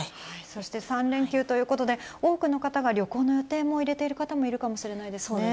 そして３連休ということで、多くの方が旅行の予定も入れている方もいるかもしれないですね。